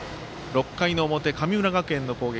６回の表、神村学園の攻撃。